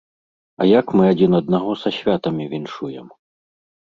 А як мы адзін аднаго са святамі віншуем?